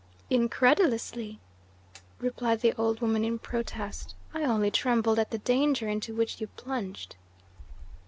"Incredulously?" replied the old woman in protest. "I only trembled at the danger into which you plunged."